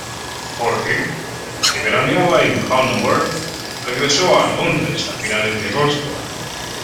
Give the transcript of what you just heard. Jorge, que veraneaba en Hannover, regresó a Londres a finales de agosto.